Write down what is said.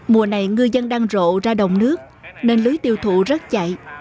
mùa này ngư dân đang rộ ra đồng nước nên lưới tiêu thụ rất chạy